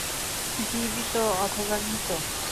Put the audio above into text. জীবিত অথবা মৃত।